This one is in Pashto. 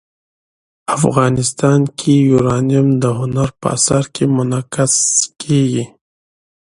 افغانستان کې یورانیم د هنر په اثار کې منعکس کېږي.